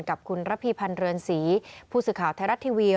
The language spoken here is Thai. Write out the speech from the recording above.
กับคุณระพีพันธ์เรือนศรีผู้สื่อข่าวไทยรัฐทีวี